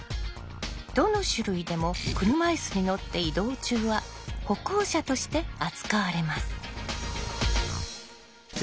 どの種類でも車いすに乗って移動中は歩行者として扱われます。